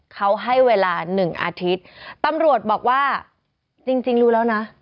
เขาให้เวลา๑อาทิตย์ตำรวจบอกว่าจริงจริงรู้แล้วนะ